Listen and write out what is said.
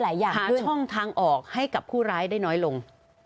อย่างหาช่องทางออกให้กับผู้ร้ายได้น้อยลง